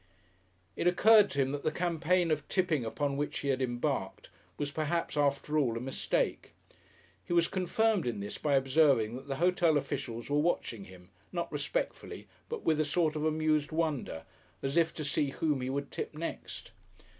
It occurred to him that the campaign of tipping upon which he had embarked was perhaps after all a mistake. He was confirmed in this by observing that the hotel officials were watching him, not respectfully, but with a sort of amused wonder, as if to see whom he would tip next.